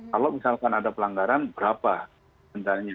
kalau misalkan ada pelanggaran berapa dendanya